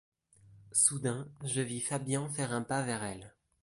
Soudain, je vis Fabian faire un pas vers elle.